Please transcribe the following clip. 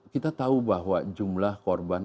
kita tahu bahwa jumlah korban